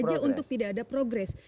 sengaja untuk tidak ada progress